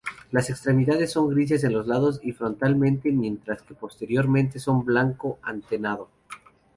Las extremidades son grises en los lados y frontalmente, mientras que posteriormente son blanco-anteado.